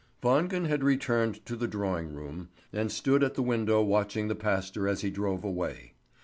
Wangen had returned to the drawing room, and stood at the window watching the pastor as he drove away.